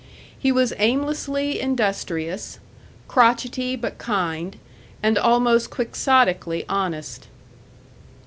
He was aimlessly industrious, crotchety but kind, and almost quixotically honest.